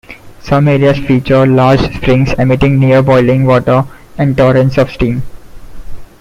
Some areas feature large springs emitting near-boiling water and torrents of steam.